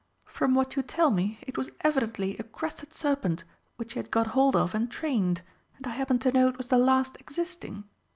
From what you tell me, it was evidently a Crested Serpent which he had got hold of and trained, and I happen to know it was the last existing....